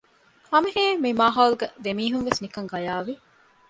ހަމަހިމޭން މި މާހައުލު ދެމީހުންވެސް ނިކަން ގަޔާވި